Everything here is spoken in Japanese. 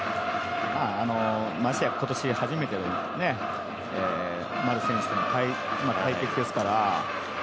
ましてや今年初めての丸選手との対決ですから。